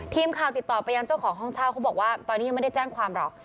ทีมข่าวติดต่อไปยังเจ้าของห้องเช่าเขาบอกว่าตอนนี้ยังไม่ได้แจ้งความหรอก